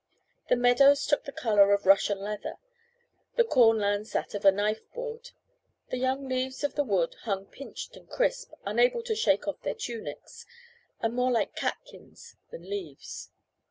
The meadows took the colour of Russian leather, the cornlands that of a knife board. The young leaves of the wood hung pinched and crisp, unable to shake off their tunics, and more like catkins than leaves.